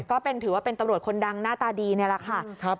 ก็ถือว่าเป็นตำรวจคนดังหน้าตาดีนี่แหละค่ะ